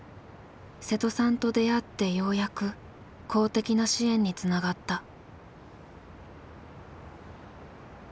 瀬戸さんと出会ってようやく公的な支援につながった。